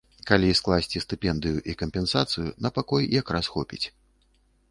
Калі скласці стыпендыю і кампенсацыю, на пакой як раз хопіць.